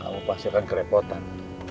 kamu pasti akan kerepotan